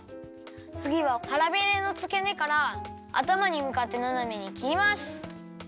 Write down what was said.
つぎははらびれのつけねからあたまにむかってななめにきります。